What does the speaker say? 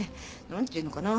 何ていうのかな。